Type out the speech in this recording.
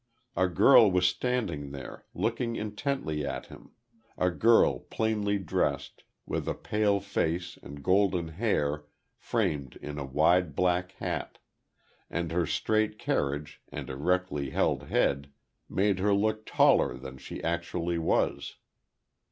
A girl was standing there, looking intently at him a girl, plainly dressed, with a pale face and golden hair framed in a wide black hat, and her straight carriage and erectly held head made her look taller than she actually was.